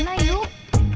mamah kemana yuk